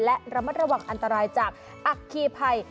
และระมัดระวังอันตรายจากอัคคีภัย